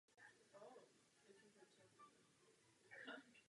Na rozdíl od většiny bojových umění nemá válečník od začátku žádný pásek.